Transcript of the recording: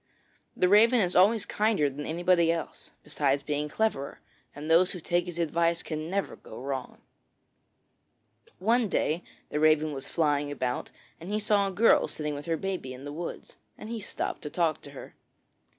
The Raven is always kinder than anybody else, besides being cleverer, and those who take his advice can never go wrong. One day the Raven was flying about, and he saw a girl sitting with her baby in the woods, and he stopped to talk to her.